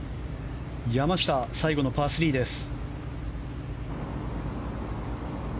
山下、最後のパー３です。